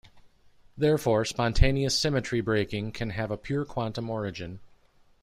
Therefore spontaneous symmetry breaking can have a pure quantum origin.